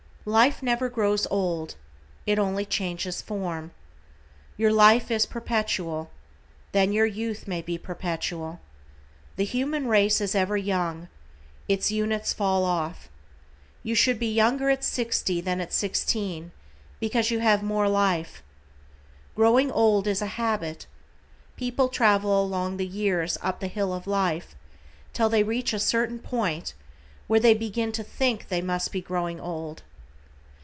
Life never grows old, it only changes form. Your life is perpetual, then your youth may be perpetual. The human race is ever young, its units fall off. You should be younger at sixty, than at sixteen, because you have more of life. Growing old is a habit. People travel along the years up the hill of life, till they reach a certain point where they begin to THINK they must be growing old.